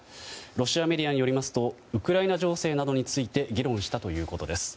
ロシアメディアによりますとウクライナ情勢などについて議論したということです。